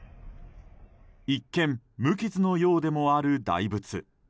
一見無傷のようでもある大仏。